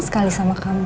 sekali sama kamu